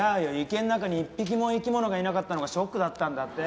池の中に一匹も生き物がいなかったのがショックだったんだって。